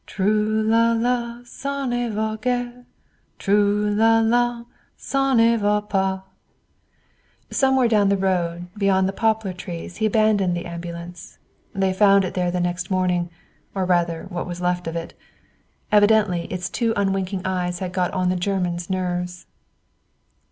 Trou là là, ça ne va guère; Trou là là, ça ne va pas. Somewhere down the road beyond the poplar trees he abandoned the ambulance. They found it there the next morning, or rather what was left of it. Evidently its two unwinking eyes had got on the Germans' nerves.